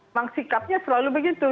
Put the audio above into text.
lihat mangsi kata selalu begitu